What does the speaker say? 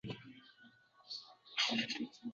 Tashqarida yalangliklar, qiyg‘os gullagan bodomlar!